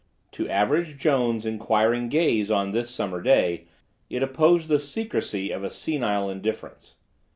To Average Jones' inquiring gaze on this summer day it opposed the secrecy of a senile indifference.